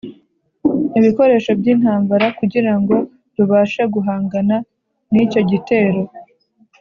ibikoresho by'intambara kugira ngo rubashe guhangana n'icyo gitero.